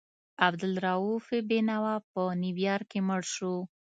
عبدالرؤف بېنوا په نیویارک کې مړ شو.